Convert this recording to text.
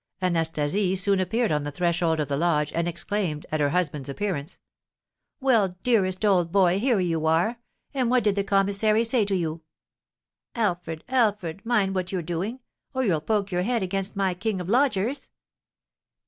Anastasie soon appeared on the threshold of the lodge, and exclaimed, at her husband's appearance: "Well, dearest old boy, here you are! And what did the commissary say to you? Alfred, Alfred, mind what you're doing, or you'll poke your head against my king of lodgers.